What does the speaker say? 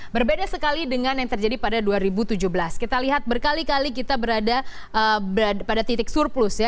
berbeda sekali dengan yang terjadi pada dua ribu tujuh belas kita lihat berkali kali kita berada pada titik surplus ya